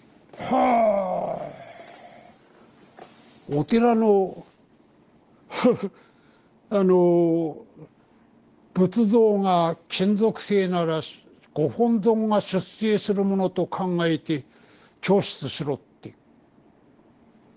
お寺のハハッあの仏像が金属製ならご本尊が出征するものと考えて供出しろっていう。